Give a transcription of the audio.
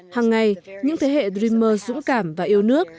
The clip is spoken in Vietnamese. hằng ngày những thế hệ drenmer dũng cảm và yêu nước